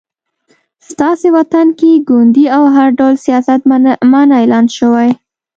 ستاسې وطن کې ګوندي او هر ډول سیاست منع اعلان شوی